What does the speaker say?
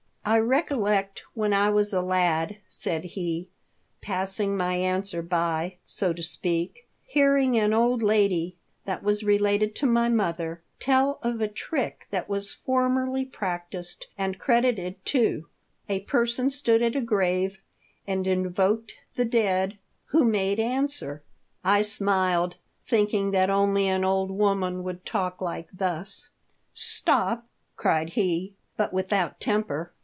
" I recollect when I was a lad," said he, passing my answer by, so to speak, " hearing an old lady that was related to my mother, tell of a trick that was formerly practised and credited, too ; a person stood at a grave and invoked the dead, who made answer." I smiled, thinking that only an old woman would talk thus. "Stop!" cried he, but without temper.